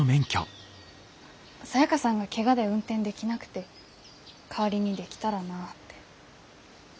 サヤカさんがけがで運転できなくて代わりにできたらなって。